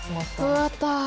終わった。